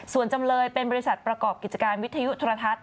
ส่วนจำเลยเป็นบริษัทประกอบกิจการวิทยุทรทัศน